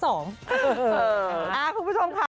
เออคุณผู้ชมค่ะ